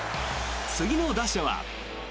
次の打者は。